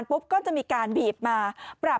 สุดยอดดีแล้วล่ะ